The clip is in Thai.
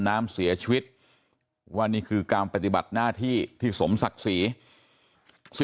น้ำเสียชีวิตว่านี่คือการปฏิบัติหน้าที่ที่สมศักดิ์ศรี